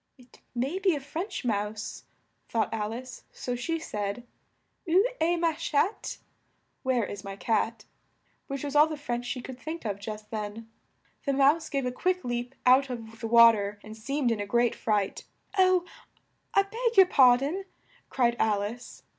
"It may be a French Mouse," thought Al ice, so she said: "Où est ma chatte?" (Where is my cat?) which was all the French she could think of just then. The Mouse gave a quick leap out of the wa ter, and seemed in a great fright, "Oh, I beg your par don," cried Al ice.